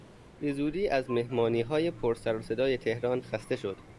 به زودی از مهمانیهای پر سر و صدای تهران خسته شد.